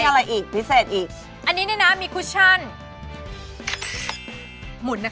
จะโหมงงัดดั้งขึ้นมา